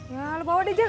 ya lu bawa deh jack